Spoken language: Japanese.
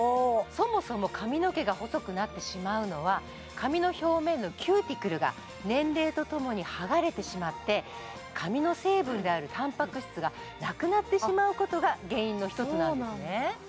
そもそも髪の毛が細くなってしまうのは髪の表面のキューティクルが年齢とともに剥がれてしまって髪の成分であるたんぱく質がなくなってしまうことが原因の１つなんですね